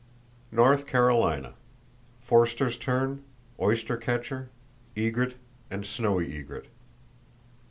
North Carolina: Forster's tern, oystercatcher, egret and snowy egret.